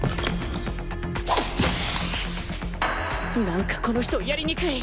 なんかこの人やりにくい！